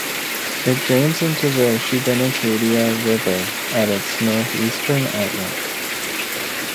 It drains into the Shubenacadie River at its northeastern outlet.